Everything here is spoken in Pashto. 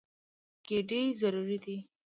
ګېډې ضروري دي.